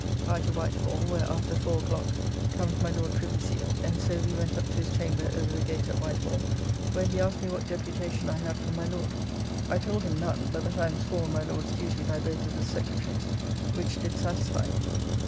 I to White Hall, where, after four o'clock, comes my Lord Privy Seal, and so we went up to his chamber over the gate at White Hall, where he asked me what deputacon I had from My Lord. I told him none; but that I am sworn my Lord's deputy by both of the Secretarys, which did satisfy him.